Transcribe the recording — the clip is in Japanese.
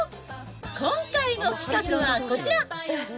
今回の企画はこちら。